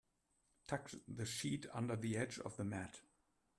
Tuck the sheet under the edge of the mat.